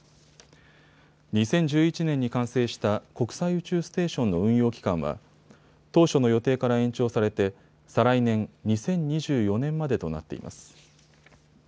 ２０１１年に完成した国際宇宙ステーションの運用期間は当初の予定から延長されて再来年、２０２４年までとなっています。